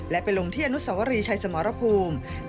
และไปลงที่อนุสวรีชัยสมรภูมิ